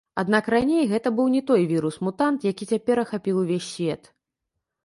Аднак раней гэта быў не той вірус-мутант, які цяпер ахапіў увесь свет.